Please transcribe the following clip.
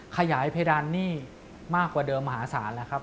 ขยายเพดานหนี้มากกว่าเดิมมหาศาลแล้วครับ